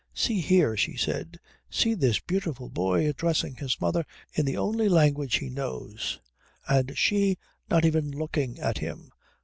"See here," she said, "see this beautiful boy addressing his mother in the only language he knows, and she not even looking at him.